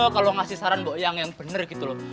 kalo ngasih saran bu yang bener gitu loh